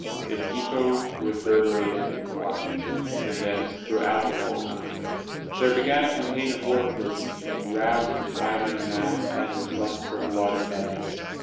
Its echo reverberated in Washington, and thence throughout the whole country. There began a campaign of war publicity that roused the tiger in man and fed his lust for blood and vengeance.